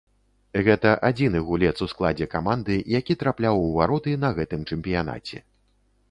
Гэта адзіны гулец у складзе каманды, які трапляў у вароты на гэтым чэмпіянаце.